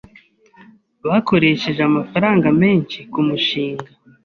Bakoresheje amafaranga menshi kumushinga.